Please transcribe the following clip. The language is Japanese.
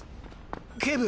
警部。